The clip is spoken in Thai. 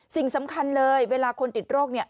สิ่งสำคัญเลยเวลาคนติดโรค